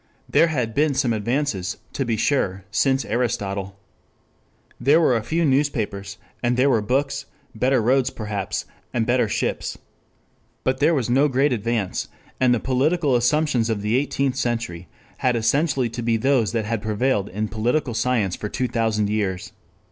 There had been some advances, to be sure, since Aristotle. There were a few newspapers, and there were books, better roads perhaps, and better ships. But there was no great advance, and the political assumptions of the Eighteenth Century had essentially to be those that had prevailed in political science for two thousand years.